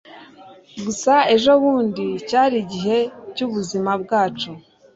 gusa ejobundi cyari igihe cyubuzima bwacu